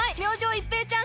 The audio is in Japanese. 一平ちゃーん！